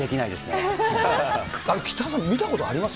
北澤さん、見たことあります？